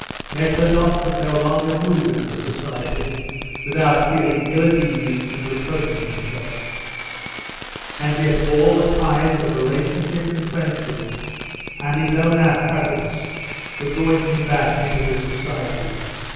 Nekhludoff could no longer move in this society without feeling ill at ease and reproaching himself. And yet all the ties of relationship and friendship, and his own habits, were drawing him back into this society.